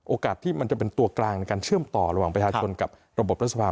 โอกาสที่มันจะเป็นตัวกลางในการเชื่อมต่อระหว่างประชาชนกับระบบรัฐสภาพ